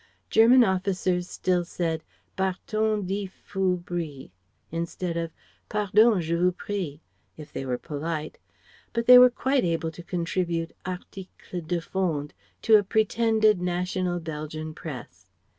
German officers still said "Barton, die fous brie," instead of "Pardon, je vous prie" (if they were polite), but they were quite able to contribute articles de fond to a pretended national Belgian press.